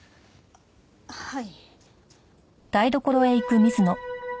はい。